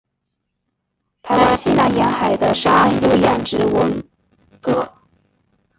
台湾西南沿海的沙岸有养殖文蛤。